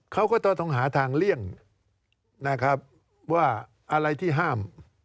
เขาก็ต้องหาทางเลี่ยงนะครับว่าอะไรที่ห้าม